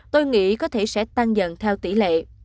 tôi nghĩ có thể sẽ tăng dần theo tỷ lệ